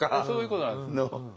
そういうことなんです。